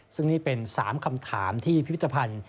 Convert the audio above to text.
ซึ่งนี่เป็น๓คำถามที่พิพิธภัณฑ์